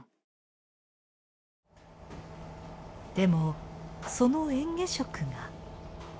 でもその嚥下食が。